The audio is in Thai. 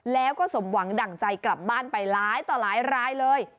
แล้วก็สมหวังดั่งใจกลับบ้านไปหลายต่อหลายรายเลย